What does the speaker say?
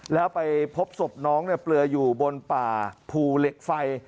แล้วไปพบศพน้องเปลืออยู่บนป่าภูเหล็กไฟ